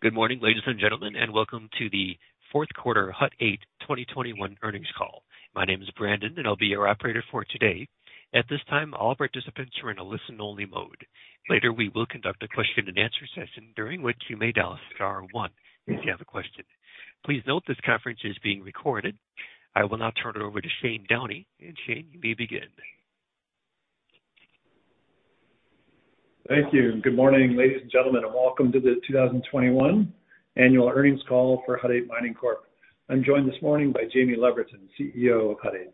Good morning, ladies and gentlemen, and welcome to the fourth quarter Hut 8 2021 earnings call. My name is Brandon, and I'll be your operator for today. At this time, all participants are in a listen-only mode. Later, we will conduct a question-and-answer session during which you may dial star one if you have a question. Please note this conference is being recorded. I will now turn it over to Shane Downey. Shane, you may begin. Thank you. Good morning, ladies and gentlemen, and welcome to the 2021 annual earnings call for Hut 8 Mining Corp. I'm joined this morning by Jaime Leverton, CEO of Hut 8.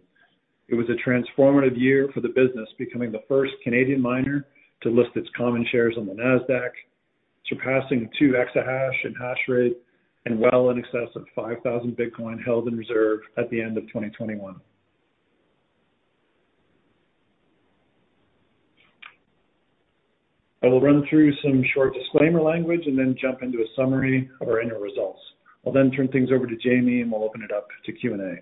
It was a transformative year for the business, becoming the first Canadian miner to list its common shares on the Nasdaq, surpassing 2 exahash in hash rate and well in excess of 5,000 Bitcoin held in reserve at the end of 2021. I will run through some short disclaimer language and then jump into a summary of our annual results. I'll then turn things over to Jaime, and we'll open it up to Q&A.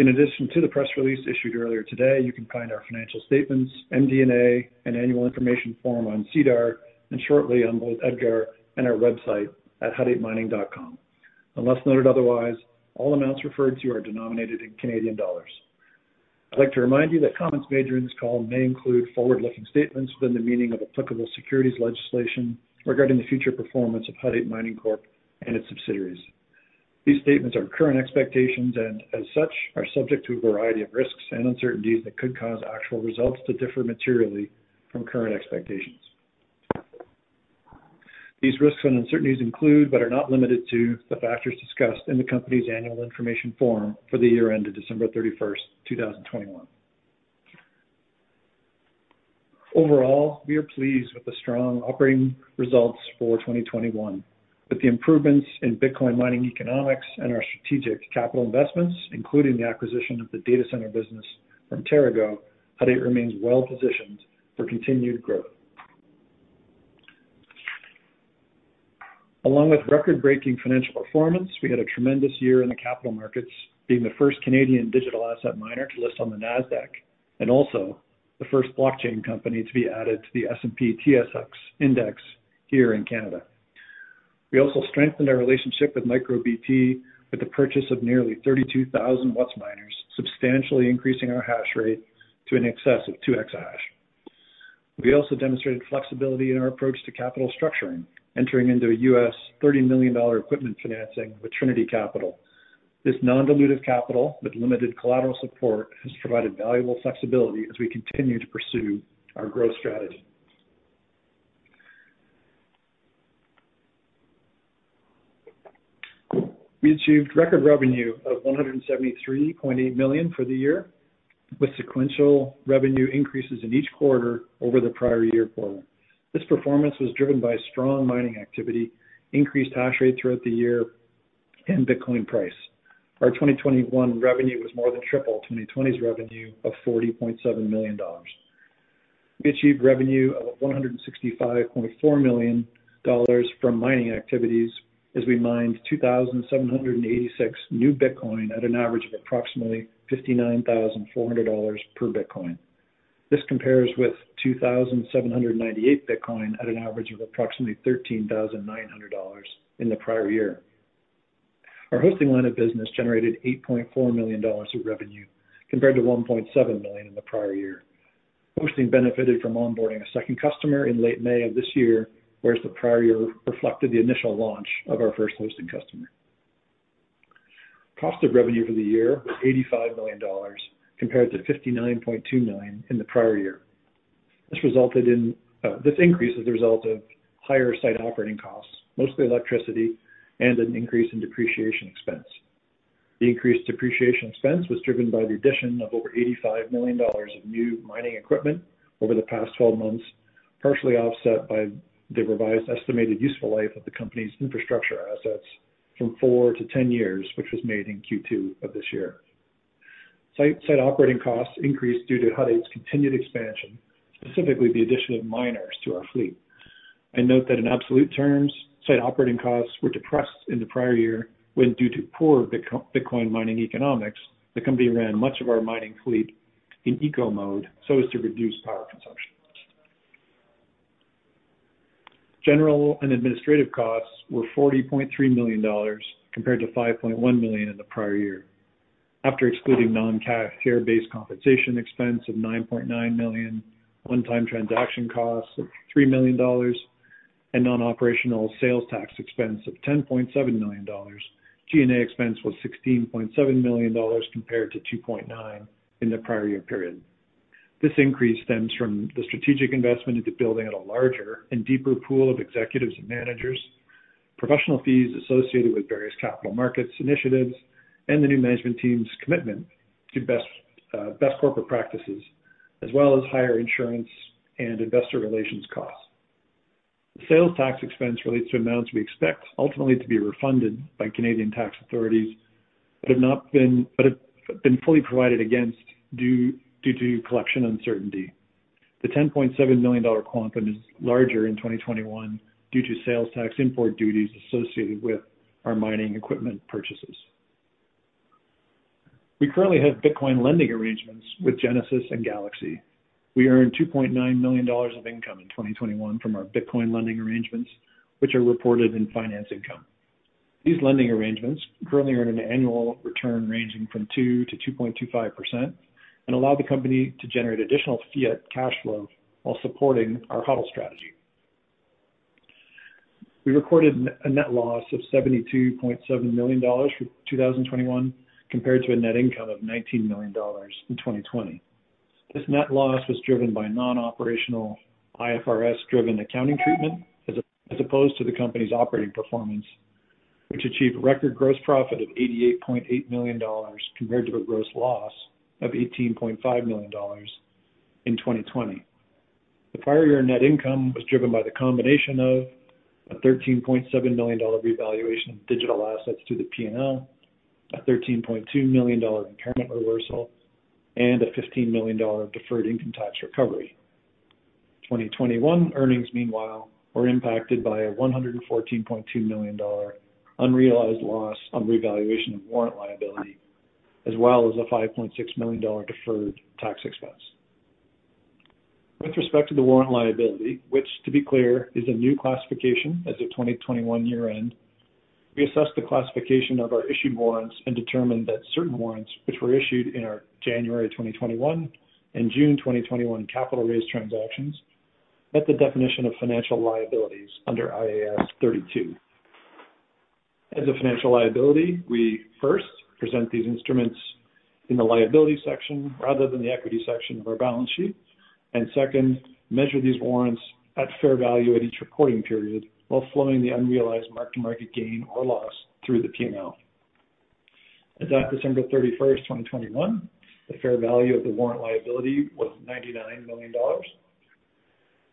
In addition to the press release issued earlier today, you can find our financial statements, MD&A, and annual information form on SEDAR and shortly on both EDGAR and our website at hut8.com. Unless noted otherwise, all amounts referred to are denominated in Canadian dollars. I'd like to remind you that comments made during this call may include forward-looking statements within the meaning of applicable securities legislation regarding the future performance of Hut 8 Mining Corp. and its subsidiaries. These statements are current expectations and as such, are subject to a variety of risks and uncertainties that could cause actual results to differ materially from current expectations. These risks and uncertainties include, but are not limited to the factors discussed in the company's annual information form for the year ended December 31, 2021. Overall, we are pleased with the strong operating results for 2021. With the improvements in Bitcoin mining economics and our strategic capital investments, including the acquisition of the data center business from TeraGo, Hut 8 remains well-positioned for continued growth. Along with record-breaking financial performance, we had a tremendous year in the capital markets, being the first Canadian digital asset miner to list on the Nasdaq and also the first blockchain company to be added to the S&P/TSX Index here in Canada. We also strengthened our relationship with MicroBT with the purchase of nearly 32,000 WhatsMiners, substantially increasing our hash rate to in excess of 2 exahashes. We also demonstrated flexibility in our approach to capital structuring, entering into a $30 million equipment financing with Trinity Capital. This non-dilutive capital with limited collateral support has provided valuable flexibility as we continue to pursue our growth strategy. We achieved record revenue of 173.8 million for the year, with sequential revenue increases in each quarter over the prior year quarter. This performance was driven by strong mining activity, increased hash rate throughout the year, and Bitcoin price. Our 2021 revenue was more than triple 2020's revenue of $40.7 million. We achieved revenue of $165.4 million from mining activities as we mined 2,786 new Bitcoin at an average of approximately $59,400 per Bitcoin. This compares with 2,798 Bitcoin at an average of approximately $13,900 in the prior year. Our hosting line of business generated $8.4 million of revenue compared to $1.7 million in the prior year. Hosting benefited from onboarding a second customer in late May of this year, whereas the prior year reflected the initial launch of our first hosting customer. Cost of revenue for the year was $85 million compared to $59.29 million in the prior year. This increase is a result of higher site operating costs, mostly electricity and an increase in depreciation expense. The increased depreciation expense was driven by the addition of over $85 million of new mining equipment over the past 12 months, partially offset by the revised estimated useful life of the company's infrastructure assets from four to 10 years, which was made in Q2 of this year. Site operating costs increased due to Hut 8's continued expansion, specifically the addition of miners to our fleet. I note that in absolute terms, site operating costs were depressed in the prior year when, due to poor Bitcoin mining economics, the company ran much of our mining fleet in eco mode so as to reduce power consumption. General and administrative costs were 40.3 million dollars compared to 5.1 million in the prior year. After excluding non-cash share-based compensation expense of 9.9 million, one-time transaction costs of 3 million dollars, and non-operational sales tax expense of 10.7 million dollars, G&A expense was 16.7 million dollars compared to 2.9 in the prior year period. This increase stems from the strategic investment into building out a larger and deeper pool of executives and managers, professional fees associated with various capital markets initiatives, and the new management team's commitment to best corporate practices, as well as higher insurance and investor relations costs. The sales tax expense relates to amounts we expect ultimately to be refunded by Canadian tax authorities but have been fully provided against due to collection uncertainty. The $10.7 million quantum is larger in 2021 due to sales tax import duties associated with our mining equipment purchases. We currently have Bitcoin lending arrangements with Genesis and Galaxy. We earned $2.9 million of income in 2021 from our Bitcoin lending arrangements, which are reported in finance income. These lending arrangements currently earn an annual return ranging from 2%-2.25% and allow the company to generate additional fiat cash flow while supporting our HODL strategy. We recorded a net loss of $72.7 million for 2021 compared to a net income of $19 million in 2020. This net loss was driven by non-operational IFRS driven accounting treatment as opposed to the company's operating performance, which achieved record gross profit of 88.8 million dollars compared to a gross loss of 18.5 million dollars in 2020. The prior year net income was driven by the combination of a 13.7 million dollar revaluation of digital assets to the P&L, a 13.2 million dollar impairment reversal, and a 15 million dollar deferred income tax recovery. 2021 earnings, meanwhile, were impacted by a 114.2 million dollar unrealized loss on revaluation of warrant liability, as well as a 5.6 million dollar deferred tax expense. With respect to the warrant liability, which to be clear is a new classification as of 2021 year-end, we assessed the classification of our issued warrants and determined that certain warrants which were issued in our January 2021 and June 2021 capital raise transactions met the definition of financial liabilities under IAS 32. As a financial liability, we first present these instruments in the liability section rather than the equity section of our balance sheet, and second, measure these warrants at fair value at each reporting period while flowing the unrealized mark-to-market gain or loss through the P&L. As at December 31, 2021, the fair value of the warrant liability was 99 million dollars.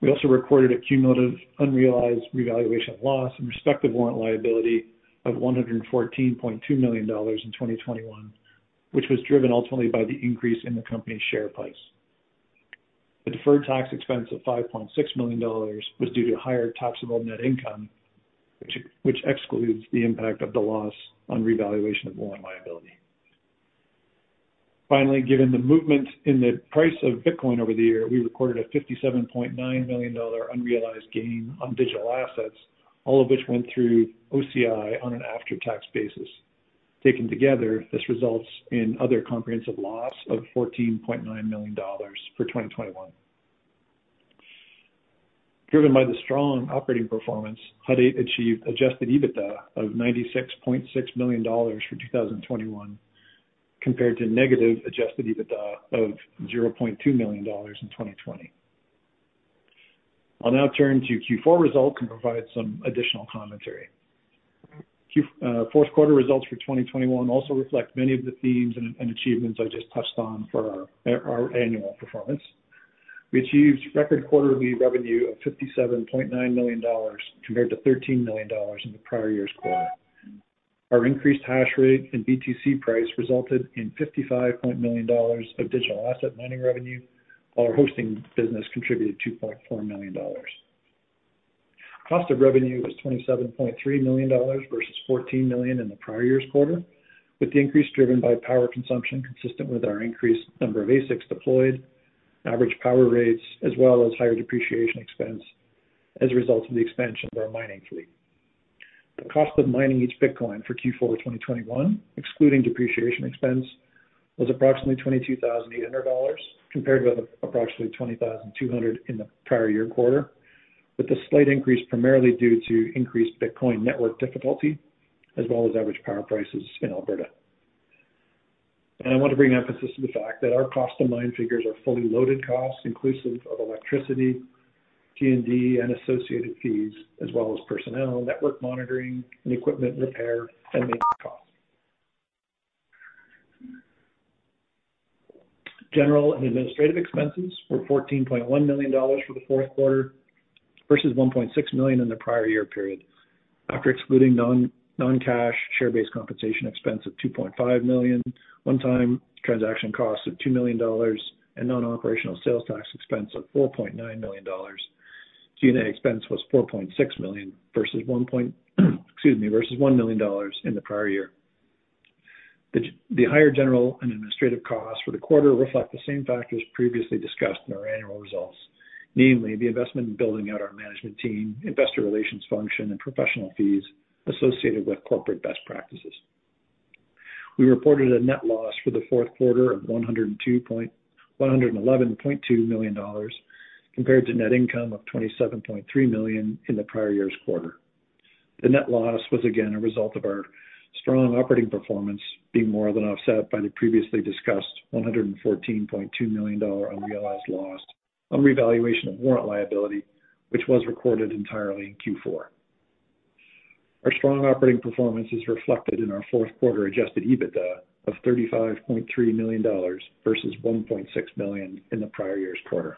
We recorded a cumulative unrealized revaluation loss in respect of warrant liability of $114.2 million in 2021, which was driven ultimately by the increase in the company's share price. The deferred tax expense of $5.6 million was due to higher taxable net income, which excludes the impact of the loss on revaluation of warrant liability. Finally, given the movement in the price of Bitcoin over the year, we recorded a $57.9 million unrealized gain on digital assets, all of which went through OCI on an after-tax basis. Taken together, this results in other comprehensive loss of $14.9 million for 2021. Driven by the strong operating performance, Hut 8 achieved adjusted EBITDA of 96.6 million dollars for 2021 compared to negative adjusted EBITDA of 0.2 million dollars in 2020. I'll now turn to Q4 results and provide some additional commentary. Fourth quarter results for 2021 also reflect many of the themes and achievements I just touched on for our annual performance. We achieved record quarterly revenue of 57.9 million dollars compared to 13 million dollars in the prior year's quarter. Our increased hash rate and BTC price resulted in 55.9 million dollars of digital asset mining revenue, while our hosting business contributed 2.4 million dollars. Cost of revenue was 27.3 million dollars versus 14 million in the prior year's quarter, with the increase driven by power consumption consistent with our increased number of ASICs deployed, average power rates, as well as higher depreciation expense as a result of the expansion of our mining fleet. The cost of mining each Bitcoin for Q4 2021, excluding depreciation expense, was approximately 22,800 dollars compared with approximately 20,200 in the prior year quarter, with the slight increase primarily due to increased Bitcoin network difficulty as well as average power prices in Alberta. I want to bring emphasis to the fact that our cost to mine figures are fully loaded costs inclusive of electricity, T&D and associated fees, as well as personnel, network monitoring and equipment repair and maintenance costs. General and administrative expenses were $14.1 million for the fourth quarter versus $1.6 million in the prior year period. After excluding non-cash share-based compensation expense of $2.5 million, one-time transaction costs of $2 million, and non-operational sales tax expense of $4.9 million, G&A expense was $4.6 million versus $1 million in the prior year. The higher general and administrative costs for the quarter reflect the same factors previously discussed in our annual results, namely the investment in building out our management team, investor relations function and professional fees associated with corporate best practices. We reported a net loss for the fourth quarter of 111.2 million dollars compared to net income of 27.3 million in the prior year's quarter. The net loss was again a result of our strong operating performance being more than offset by the previously discussed 114.2 million dollar unrealized loss on revaluation of warrant liability, which was recorded entirely in Q4. Our strong operating performance is reflected in our fourth quarter adjusted EBITDA of 35.3 million dollars versus 1.6 million in the prior year's quarter.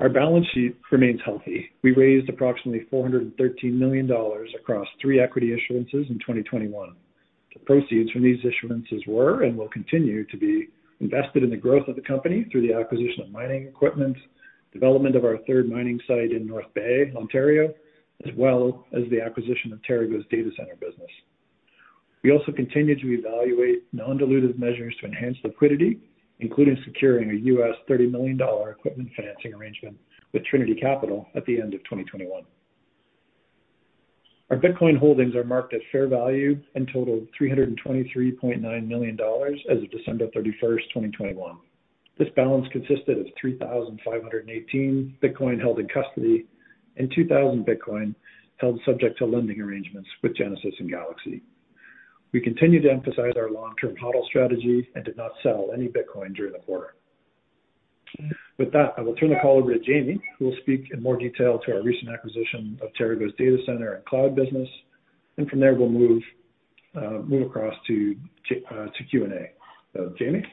Our balance sheet remains healthy. We raised approximately $413 million across three equity issuances in 2021. The proceeds from these issuances were and will continue to be invested in the growth of the company through the acquisition of mining equipment, development of our third mining site in North Bay, Ontario, as well as the acquisition of TeraGo's data center business. We also continue to evaluate non-dilutive measures to enhance liquidity, including securing a $30 million equipment financing arrangement with Trinity Capital at the end of 2021. Our Bitcoin holdings are marked at fair value and totaled $323.9 million as of December 31, 2021. This balance consisted of 3,518 Bitcoin held in custody and 2,000 Bitcoin held subject to lending arrangements with Genesis and Galaxy. We continue to emphasize our long-term HODL strategy and did not sell any Bitcoin during the quarter. With that, I will turn the call over to Jaime, who will speak in more detail to our recent acquisition of TeraGo's data center and cloud business, and from there, we'll move across to Q&A. Jaime.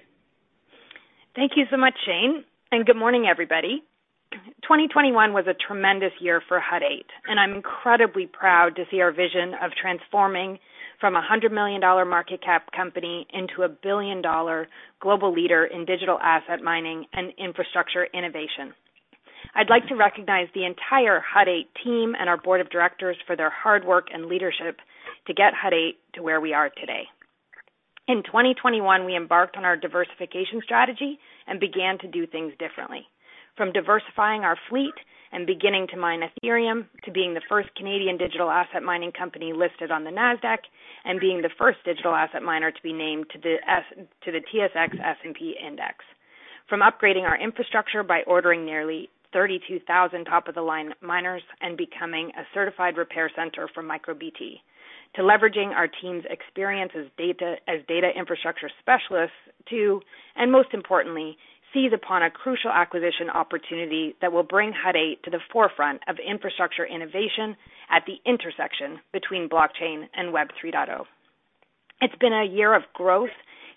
Thank you so much, Shane, and good morning, everybody. 2021 was a tremendous year for Hut 8, and I'm incredibly proud to see our vision of transforming from a $100 million market cap company into a billion-dollar global leader in digital asset mining and infrastructure innovation. I'd like to recognize the entire Hut 8 team and our board of directors for their hard work and leadership to get Hut 8 to where we are today. In 2021, we embarked on our diversification strategy and began to do things differently. From diversifying our fleet and beginning to mine Ethereum, to being the first Canadian digital asset mining company listed on the Nasdaq, and being the first digital asset miner to be named to the S&P/TSX Composite Index. From upgrading our infrastructure by ordering nearly 32,000 top-of-the-line miners and becoming a certified repair center for MicroBT, to leveraging our team's experience as data infrastructure specialists to, and most importantly, seize upon a crucial acquisition opportunity that will bring Hut 8 to the forefront of infrastructure innovation at the intersection between blockchain and Web 3.0. It's been a year of growth,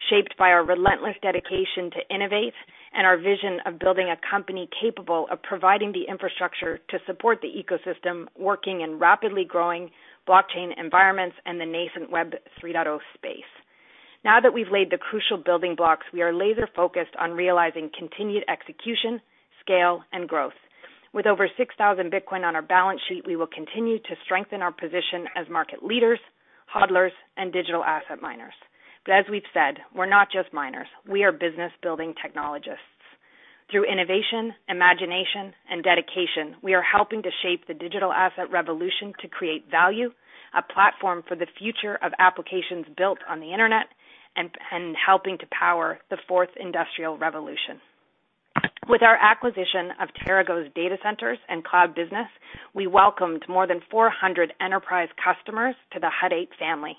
shaped by our relentless dedication to innovate and our vision of building a company capable of providing the infrastructure to support the ecosystem working in rapidly growing blockchain environments and the nascent Web 3.0 space. Now that we've laid the crucial building blocks, we are laser-focused on realizing continued execution, scale, and growth. With over 6,000 Bitcoin on our balance sheet, we will continue to strengthen our position as market leaders, HODlers, and digital asset miners. As we've said, we're not just miners, we are business-building technologists. Through innovation, imagination, and dedication, we are helping to shape the digital asset revolution to create value, a platform for the future of applications built on the internet, and helping to power the fourth industrial revolution. With our acquisition of TeraGo's data centers and cloud business, we welcomed more than 400 enterprise customers to the Hut 8 family.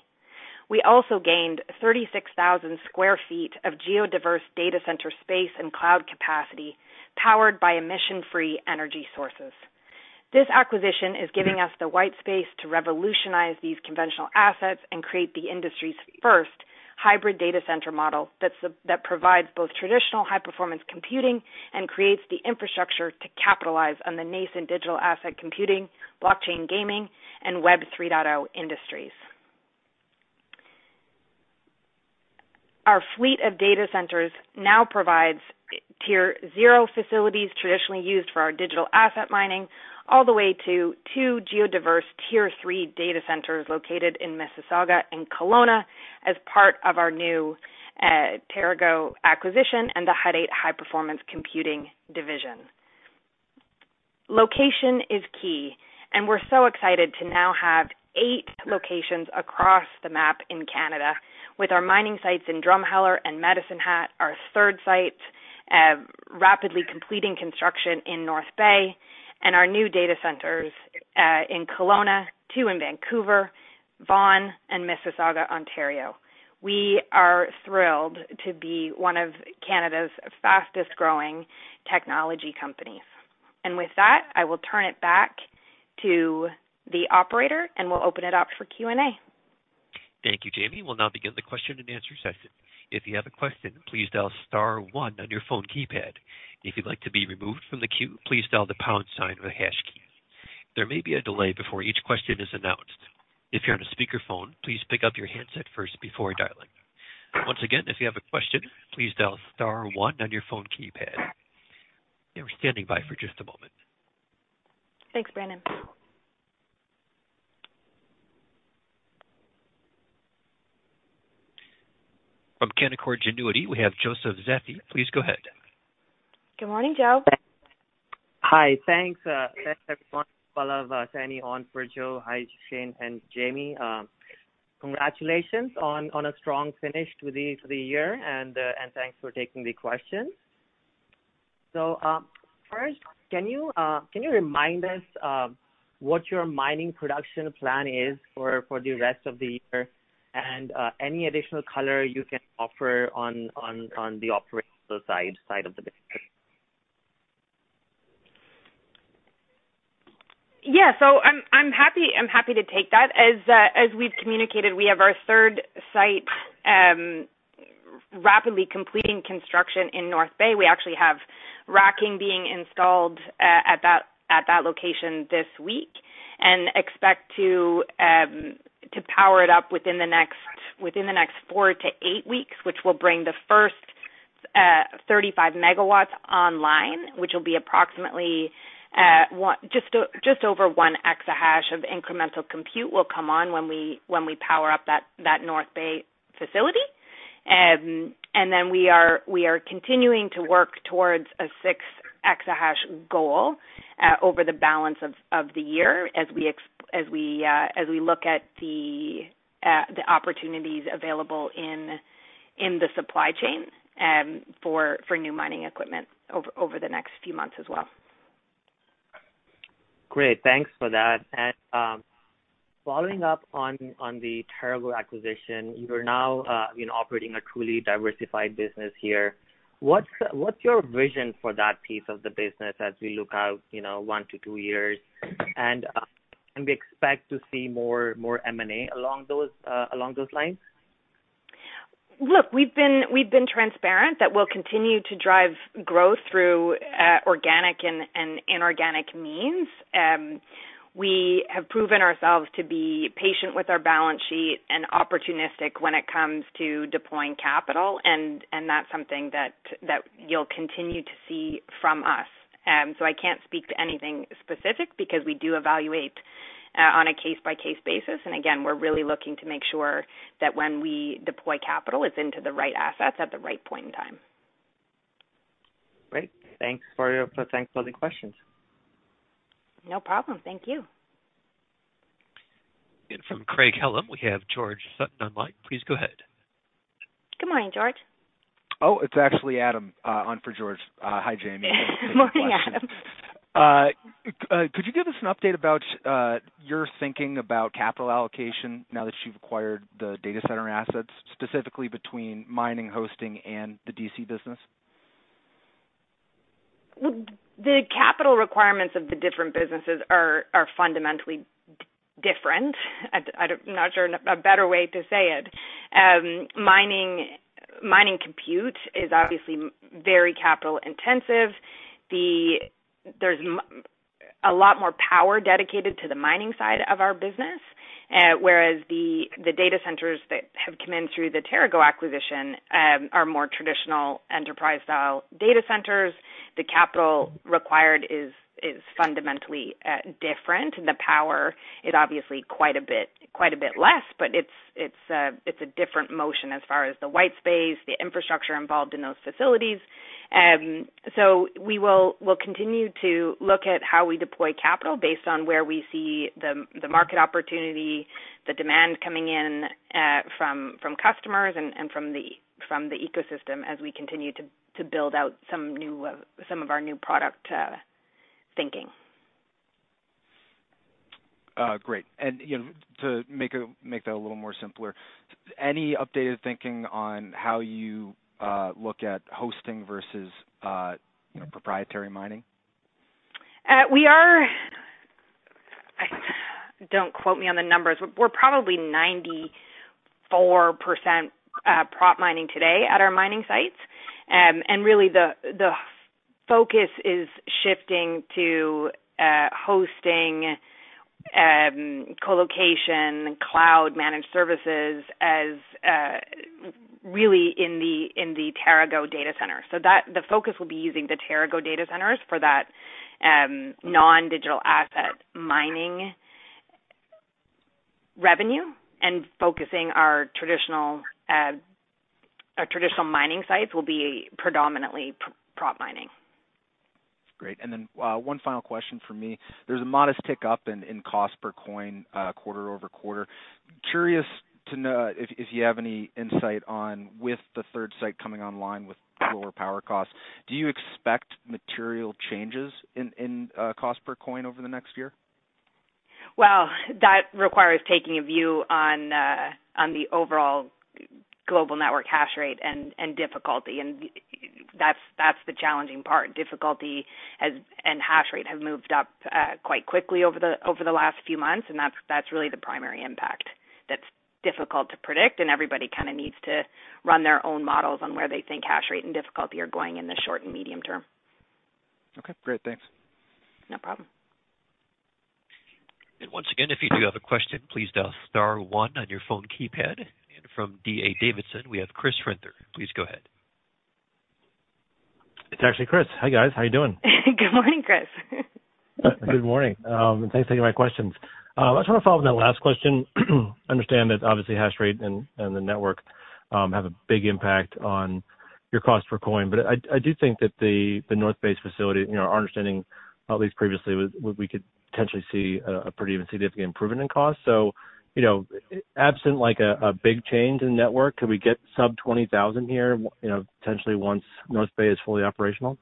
We also gained 36,000 sq ft of geo-diverse data center space and cloud capacity powered by emission-free energy sources. This acquisition is giving us the white space to revolutionize these conventional assets and create the industry's first hybrid data center model that provides both traditional high-performance computing and creates the infrastructure to capitalize on the nascent digital asset computing, blockchain gaming, and Web 3.0 industries. Our fleet of data centers now provides Tier 0 facilities traditionally used for our digital asset mining, all the way to two geo-diverse Tier 3 data centers located in Mississauga and Kelowna as part of our new TeraGo acquisition and the Hut 8 high-performance computing division. Location is key, and we're so excited to now have eight locations across the map in Canada with our mining sites in Drumheller and Medicine Hat, our third site rapidly completing construction in North Bay, and our new data centers in Kelowna, two in Vancouver, Vaughan, and Mississauga, Ontario. We are thrilled to be one of Canada's fastest-growing technology companies. With that, I will turn it back to the operator, and we'll open it up for Q&A. Thank you, Jaime. We'll now begin the question-and-answer session. If you have a question, please dial star one on your phone keypad. If you'd like to be removed from the queue, please dial the pound sign or the hash key. There may be a delay before each question is announced. If you're on a speakerphone, please pick up your handset first before dialing. Once again, if you have a question, please dial star one on your phone keypad. We're standing by for just a moment. Thanks, Brandon. From Canaccord Genuity, we have Joseph Vafi. Please go ahead. Good morning, Joe. Hi. Thanks, everyone. Hello, signing on for Joe. Hi, Shane and Jaime. Congratulations on a strong finish to the year, and thanks for taking the questions. First, can you remind us what your mining production plan is for the rest of the year and any additional color you can offer on the operational side of the business? I'm happy to take that. As we've communicated, we have our third site rapidly completing construction in North Bay. We actually have racking being installed at that location this week and expect to power it up within the next four to eight weeks, which will bring the first 35 MW online, which will be approximately just over 1 exahash of incremental compute that will come on when we power up that North Bay facility. We are continuing to work towards a 6 exahash goal over the balance of the year as we look at the opportunities available in the supply chain for new mining equipment over the next few months as well. Great. Thanks for that. Following up on the TeraGo acquisition, you are now, you know, operating a truly diversified business here. What's your vision for that piece of the business as we look out, you know, one to two years? Can we expect to see more M&A along those lines? Look, we've been transparent that we'll continue to drive growth through organic and inorganic means. We have proven ourselves to be patient with our balance sheet and opportunistic when it comes to deploying capital, and that's something that you'll continue to see from us. I can't speak to anything specific because we do evaluate on a case-by-case basis. Again, we're really looking to make sure that when we deploy capital, it's into the right assets at the right point in time. Great. Thanks for taking all the questions. No problem. Thank you. From Craig-Hallum, we have George Sutton on line. Please go ahead. Good morning, George. Oh, it's actually Adam, on for George. Hi, Jaime. Morning, Adam. Could you give us an update about your thinking about capital allocation now that you've acquired the data center assets, specifically between mining, hosting, and the DC business? The capital requirements of the different businesses are fundamentally different. I don't know a better way to say it. Mining compute is obviously very capital intensive. There's a lot more power dedicated to the mining side of our business. Whereas the data centers that have come in through the TeraGo acquisition are more traditional enterprise style data centers. The capital required is fundamentally different. The power is obviously quite a bit less, but it's a different motion as far as the white space, the infrastructure involved in those facilities. We'll continue to look at how we deploy capital based on where we see the market opportunity, the demand coming in from customers and from the ecosystem as we continue to build out some of our new product thinking. Great. You know, to make that a little more simpler, any updated thinking on how you look at hosting versus, you know, proprietary mining? Don't quote me on the numbers. We're probably 94% prop mining today at our mining sites. Really the focus is shifting to hosting co-location cloud managed services as really in the TeraGo data center. The focus will be using the TeraGo data centers for that non-digital asset mining revenue and focusing our traditional mining sites will be predominantly prop mining. Great. Then one final question from me. There's a modest tick up in cost per coin quarter-over-quarter. Curious to know if you have any insight on with the third site coming online with lower power costs. Do you expect material changes in cost per coin over the next year? Well, that requires taking a view on the overall global network hash rate and difficulty. That's the challenging part. Difficulty and hash rate have moved up quite quickly over the last few months, and that's really the primary impact that's difficult to predict. Everybody kind of needs to run their own models on where they think hash rate and difficulty are going in the short and medium term. Okay, great. Thanks. No problem. Once again, if you do have a question, please dial star one on your phone keypad. From D.A. Davidson, we have Chris Brendler. Please go ahead. It's actually Chris. Hi, guys. How you doing? Good morning, Chris. Good morning. Thanks for taking my questions. I just want to follow up on that last question. I understand that obviously hash rate and the network have a big impact on your cost per coin, but I do think that the North Bay facility, you know, our understanding, at least previously, was we could potentially see a pretty even significant improvement in cost. You know, absent like a big change in network, could we get sub $20,000 here, you know, potentially once North Bay is fully operational?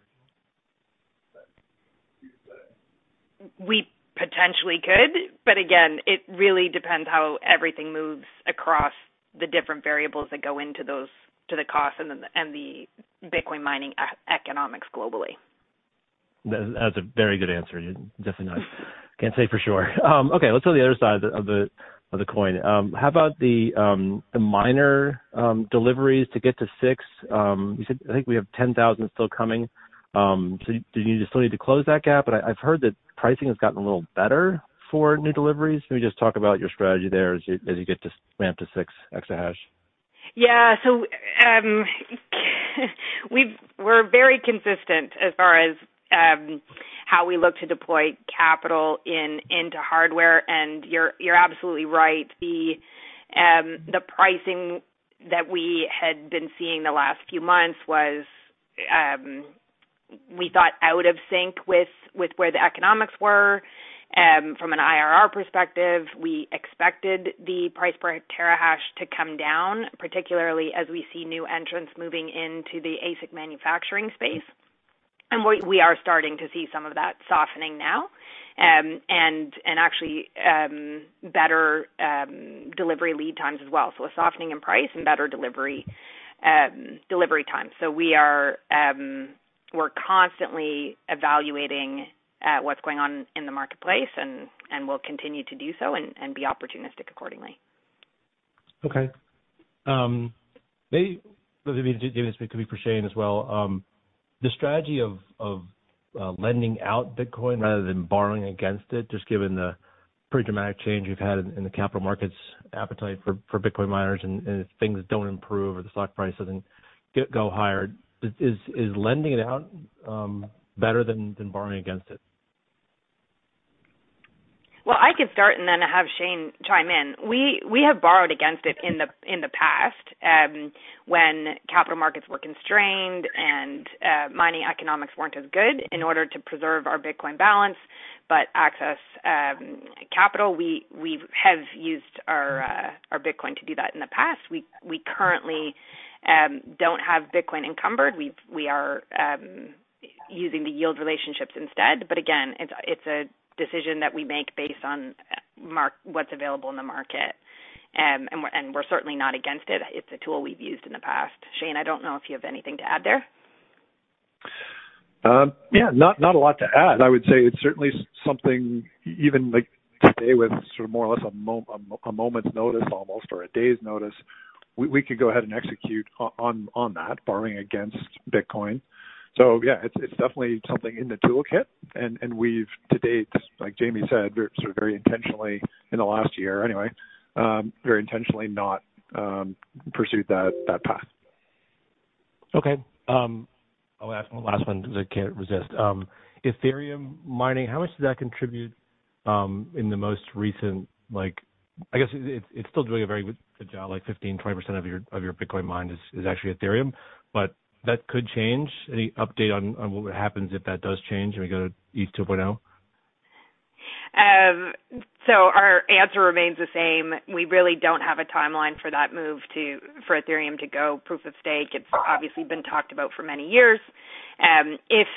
We potentially could, but again, it really depends how everything moves across the different variables that go into those, to the cost and the Bitcoin mining economics globally. That's a very good answer. You definitely know. Can't say for sure. Okay, let's go to the other side of the coin. How about the miner deliveries to get to six? You said I think we have 10,000 still coming. Do you still need to close that gap? I've heard that pricing has gotten a little better for new deliveries. Can you just talk about your strategy there as you get to ramp to six exahash? Yeah. We're very consistent as far as how we look to deploy capital into hardware. You're absolutely right. The pricing that we had been seeing the last few months was we thought out of sync with where the economics were. From an IRR perspective, we expected the price per terahash to come down, particularly as we see new entrants moving into the ASIC manufacturing space. We are starting to see some of that softening now, and actually, better delivery lead times as well. A softening in price and better delivery time. We're constantly evaluating what's going on in the marketplace, and we'll continue to do so and be opportunistic accordingly. Okay. Maybe this could be for Shane as well. The strategy of lending out Bitcoin rather than borrowing against it, just given the pretty dramatic change we've had in the capital markets appetite for Bitcoin miners, and if things don't improve or the stock price doesn't go higher, is lending it out better than borrowing against it? Well, I could start and then have Shane chime in. We have borrowed against it in the past when capital markets were constrained and mining economics weren't as good in order to preserve our Bitcoin balance, but access capital. We have used our Bitcoin to do that in the past. We currently don't have Bitcoin encumbered. We are using the yield relationships instead. Again, it's a decision that we make based on what's available in the market. We're certainly not against it. It's a tool we've used in the past. Shane, I don't know if you have anything to add there. Yeah, not a lot to add. I would say it's certainly something even like today with sort of more or less a moment's notice or a day's notice, we could go ahead and execute on that borrowing against Bitcoin. Yeah, it's definitely something in the toolkit. We've to date, like Jaime said, we're sort of very intentionally in the last year anyway not pursued that path. Okay. I'll ask one last one because I can't resist. Ethereum mining, how much does that contribute in the most recent like? I guess it's still doing a very good job. Like 15%-20% of your Bitcoin mine is actually Ethereum, but that could change. Any update on what would happen if that does change and we go to ETH 2.0? Our answer remains the same. We really don't have a timeline for that move for Ethereum to go proof-of-stake. It's obviously been talked about for many years. If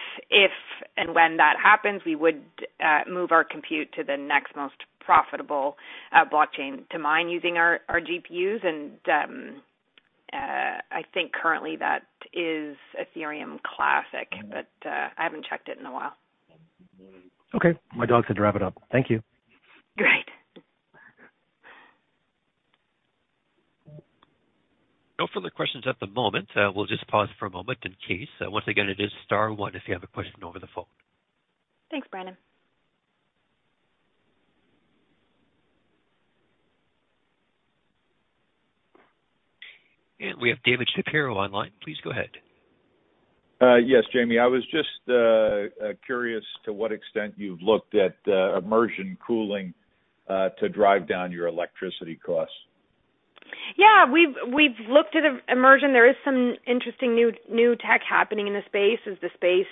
and when that happens, we would move our compute to the next most profitable blockchain to mine using our GPUs. I think currently that is Ethereum Classic. Mm-hmm. I haven't checked it in a while. Okay. My dog said wrap it up. Thank you. Great. No further questions at the moment. We'll just pause for a moment in case. Once again, it is star one if you have a question over the phone. Thanks, Brandon. We have David Shapiro online. Please go ahead. Yes, Jaime. I was just curious to what extent you've looked at immersion cooling to drive down your electricity costs. Yeah. We've looked at immersion. There is some interesting new tech happening in the space as the space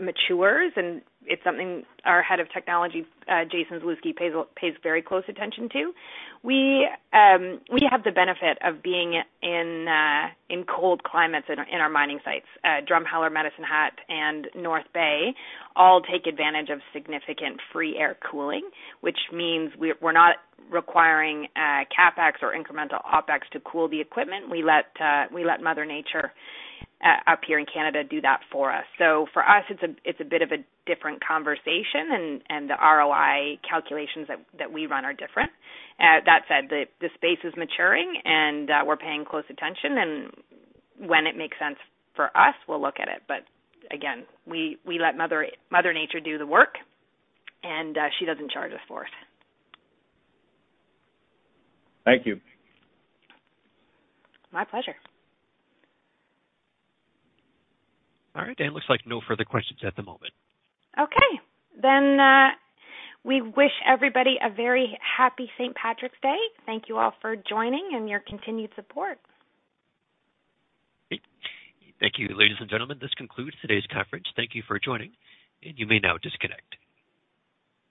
matures, and it's something our Head of Technology, Jason Zaluski, pays very close attention to. We have the benefit of being in cold climates in our mining sites. Drumheller, Medicine Hat, and North Bay all take advantage of significant free air cooling, which means we're not requiring CapEx or incremental OpEx to cool the equipment. We let Mother Nature up here in Canada do that for us. For us, it's a bit of a different conversation and the ROI calculations that we run are different. That said, the space is maturing and we're paying close attention. When it makes sense for us, we'll look at it. Again, we let Mother Nature do the work, and she doesn't charge us for it. Thank you. My pleasure. All right. It looks like no further questions at the moment. Okay. We wish everybody a very happy St. Patrick's Day. Thank you all for joining and your continued support. Great. Thank you. Ladies and gentlemen, this concludes today's conference. Thank you for joining, and you may now disconnect.